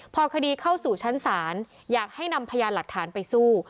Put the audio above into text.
พอคดีเข้าสู่ชั้นศาลอยากให้นำพยานหลักฐานไปสู้